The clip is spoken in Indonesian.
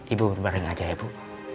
ibu bareng aja ya bu